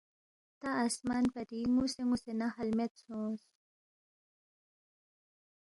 تا آسمان پری نُ٘وسے نُ٘وسے نہ ہَل مید سونگس